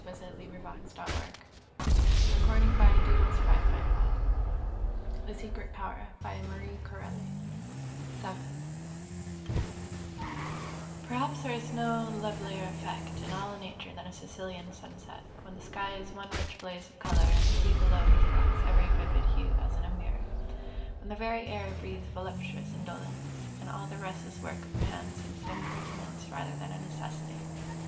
But that's quite British you know!" She passed, smiling, into the house, and he followed. CHAPTER VII Perhaps there is no lovelier effect in all nature than a Sicilian sunset, when the sky is one rich blaze of colour and the sea below reflects every vivid hue as in a mirror, when the very air breathes voluptuous indolence, and all the restless work of man seems an impertinence rather than a necessity.